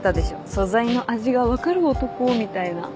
「素材の味が分かる男」みたいな。